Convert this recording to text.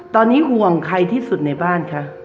ตอนนี้ห่วงใครที่สุดในบ้านคะ